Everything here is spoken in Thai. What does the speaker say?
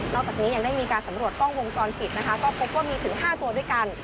จากนี้ยังได้มีการสำรวจกล้องวงจรปิดนะคะก็พบว่ามีถึง๕ตัวด้วยกัน